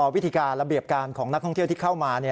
วิธีการระเบียบการของนักท่องเที่ยวที่เข้ามา